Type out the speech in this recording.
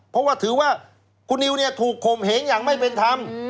เพราะถือว่าคุณนิวถูกคมเห็งอย่างไม่เป็นธรรม